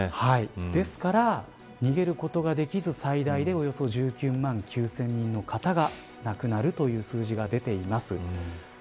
ですから逃げることができず最大でおよそ１９万９０００人の方が亡くなるという数字が出ています。